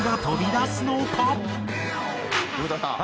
古田さん